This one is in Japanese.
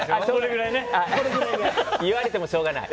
言われてもしょうがない。